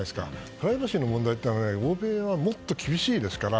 プライバシーの問題って欧米はもっと厳しいですから。